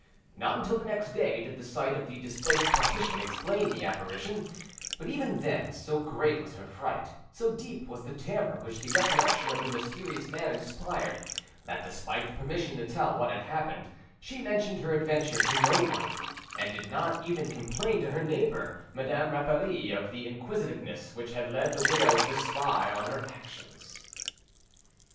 Not until the next day did the sight of the displaced partition explain the apparition, but even then so great was her fright, so deep was the terror which the recollection of the mysterious man inspired, that despite the permission to tell what had happened she mentioned her adventure to no one, and did not even complain to her neighbour, Madame Rapally, of the inquisitiveness which had led the widow to spy on her actions.